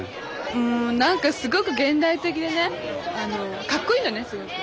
うん何かすごく現代的でね格好いいのねすごく。